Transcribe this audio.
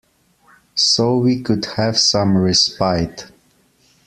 So we could have some respite.